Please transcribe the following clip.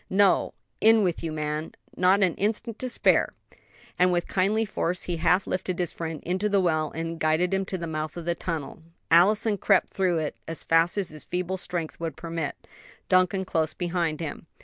"No, in with you, man! not an instant to spare;" and with kindly force he half lifted his friend into the well, and guided him to the mouth of the tunnel. Allison crept through it as fast as his feeble strength would permit, Duncan close behind him.